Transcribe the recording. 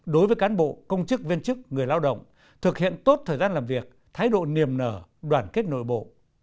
đối với cán bộ công chức viên chức người lao động thực hiện tốt thời gian làm việc thái độ niềm nở đoàn kết nội bộ